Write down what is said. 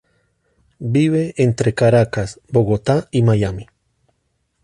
Vive entre Caracas, Bogotá y Miami.